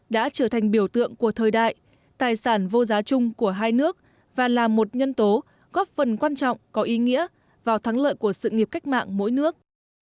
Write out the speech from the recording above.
đã trở thành biểu tượng của thời đại tài sản vô giá chung của hai nước và là một nhân tố góp phần quan trọng có ý nghĩa vào thắng lợi của sự nghiệp cách mạng mỗi nước